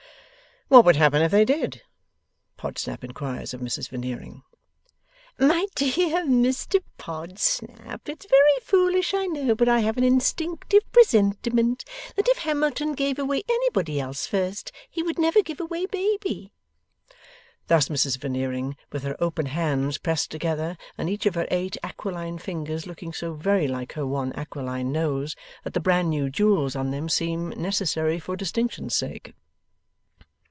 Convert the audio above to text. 'What would happen if he did?' Podsnap inquires of Mrs Veneering. 'My dear Mr Podsnap, it's very foolish I know, but I have an instinctive presentiment that if Hamilton gave away anybody else first, he would never give away baby.' Thus Mrs Veneering; with her open hands pressed together, and each of her eight aquiline fingers looking so very like her one aquiline nose that the bran new jewels on them seem necessary for distinction's sake.